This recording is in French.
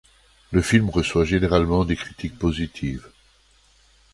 Le film reçoit généralement des critiques positives.